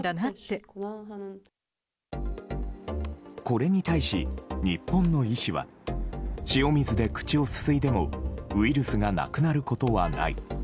これに対し、日本の医師は塩水で口をすすいでもウイルスがなくなることはない。